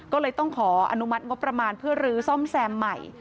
ก็เลยต้องขออนุมัติงบประมาณเพื่อลื้อซ่อมแซมใหม่